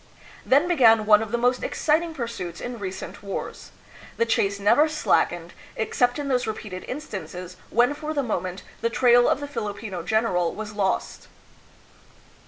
Then began one of the most exciting pursuits in re cent wars. The chase never slackened, except in those repeated instances when for the moment the trail of the Filipino general was lost.